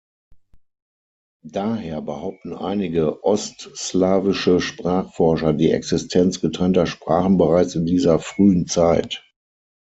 Daher behaupten einige ostslawische Sprachforscher die Existenz getrennter Sprachen bereits in dieser frühen Zeit.